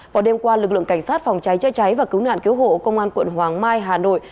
vào đêm qua lực lượng cảnh sát phòng cháy chữa cháy và cứu nạn cứu hộ công an quận hoàng mai hà nội